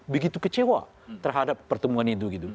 begitu kecewa terhadap pertemuan itu gitu